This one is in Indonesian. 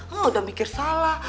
gak udah mikir salah